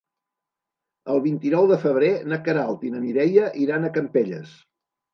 El vint-i-nou de febrer na Queralt i na Mireia iran a Campelles.